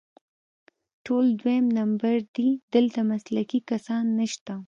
ټول دویم نمبر دي، دلته مسلکي کسان نشته